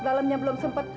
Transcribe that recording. dalamnya belum sempet